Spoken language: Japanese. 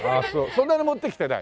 そんなに持ってきてない？